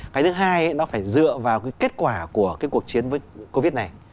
cái thứ hai nó phải dựa vào cái kết quả của cái cuộc chiến covid này